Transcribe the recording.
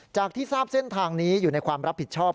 ที่ทราบเส้นทางนี้อยู่ในความรับผิดชอบ